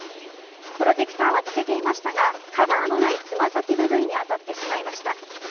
プロテクターは着けていましたがカバーのない爪先部分に当たってしまいました。